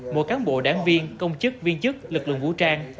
mỗi cán bộ đảng viên công chức viên chức lực lượng vũ trang